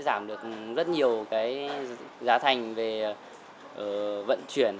giảm được rất nhiều cái giá thành về vận chuyển